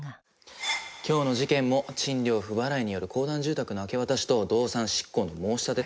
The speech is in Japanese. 今日の事件も賃料不払いによる公団住宅の明け渡しと動産執行の申し立て。